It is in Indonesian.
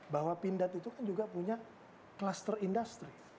bahwa pindad itu kan juga punya cluster industry